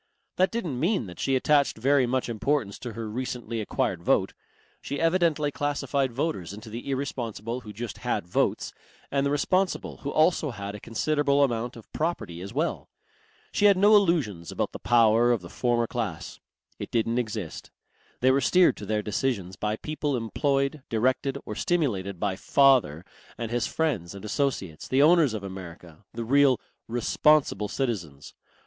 That didn't mean that she attached very much importance to her recently acquired vote. She evidently classified voters into the irresponsible who just had votes and the responsible who also had a considerable amount of property as well. She had no illusions about the power of the former class. It didn't exist. They were steered to their decisions by people employed, directed or stimulated by "father" and his friends and associates, the owners of America, the real "responsible citizens."